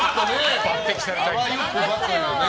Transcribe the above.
あわよくばというね。